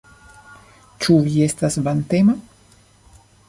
Ĉu vi estas vantema?